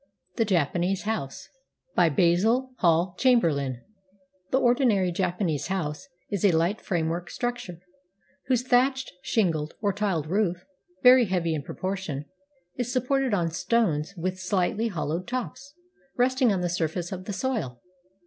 A JAPANESE HOUSE BY BASIL HALL CHAMBERLAIN The ordinary Japanese house is a light framework struc ture, whose thatched, shingled, or tiled roof, very heavy in proportion, is supported on stones with sUghtly hol lowed tops, resting on the surface of the soil.